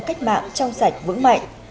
cách mạng trong sạch vững mạnh